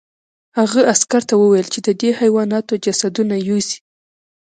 هغه عسکر ته وویل چې د دې حیواناتو جسدونه یوسي